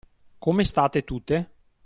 Come state tutte?